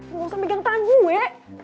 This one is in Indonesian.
lo gak usah pegang tangan gue